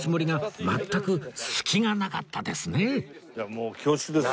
もう恐縮です。